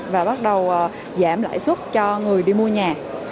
và bắt đầu giảm lãi suất cho người đi mua nhà